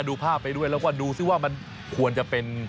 ดูภาพไปด้วยแล้วก็ดูซิว่ามันควรจะเป็น